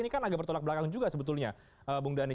ini kan agak bertolak belakang juga sebetulnya bung dhani